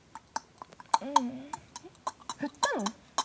ううんえっ振ったの？